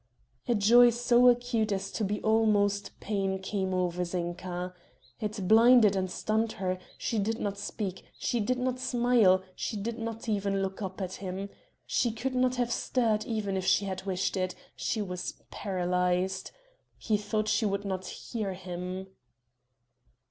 A joy so acute as to be almost pain came over Zinka. It blinded and stunned her; she did not speak, she did not smile, she did not even look up at him; she could not have stirred even if she had wished it she was paralyzed. He thought she would not hear him.